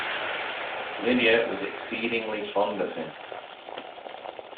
Lydia was exceedingly fond of him.